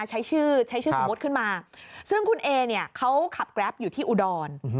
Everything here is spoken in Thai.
ใช้ชื่อสมมติขึ้นมาซึ่งคุณเอเนี่ยเขาขับกราฟอยู่ที่อุดร